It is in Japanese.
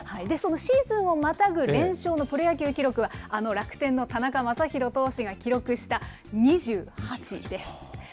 そのシーズンをまたぐ連勝のプロ野球記録は、あの楽天の田中将大投手が記録した２８です。